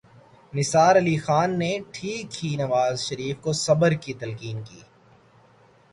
نثار علی خان نے ٹھیک ہی نواز شریف کو صبر کی تلقین کی۔